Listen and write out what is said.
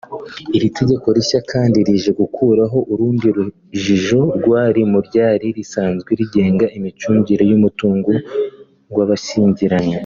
Iri tegeko rishya kandi rije gukuraho urundi rujijo rwari mu ryari risanzwe rigenga imicungire y’umutungo w’abashyingiranywe